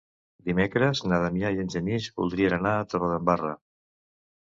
Dimecres na Damià i en Genís voldrien anar a Torredembarra.